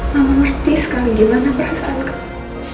mama ngerti sekali gimana perasaan kamu